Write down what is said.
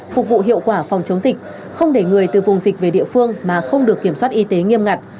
phục vụ hiệu quả phòng chống dịch không để người từ vùng dịch về địa phương mà không được kiểm soát y tế nghiêm ngặt